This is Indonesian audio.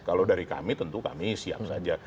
kalau dari kami tentu kami siap saja